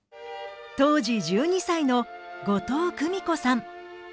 当時１２歳の後藤久美子さん。